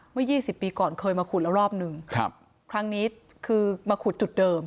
ยี่สิบปีก่อนเคยมาขุดแล้วรอบหนึ่งครับครั้งนี้คือมาขุดจุดเดิม